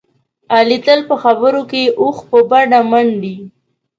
علي تل په خبرو کې اوښ په بډه منډي.